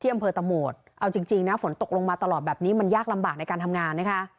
ที่อัมเภอตะโหมดเราจริงจริงฝนตกลงมาตลอดแบบนี้มันยากลำบากในการทำงาน